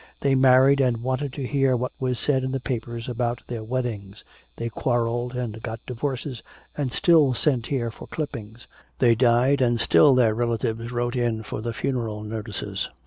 They married and wanted to hear what was said in the papers about their weddings, they quarreled and got divorces and still sent here for clippings, they died and still their relatives wrote in for the funeral notices.